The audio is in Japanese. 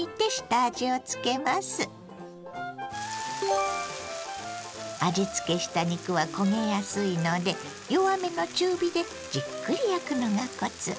味つけした肉は焦げやすいので弱めの中火でじっくり焼くのがコツ。